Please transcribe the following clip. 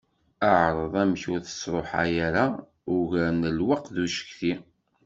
Ԑreḍ amek ur tersruḥayeḍ ugar n lweqt deg ucetki.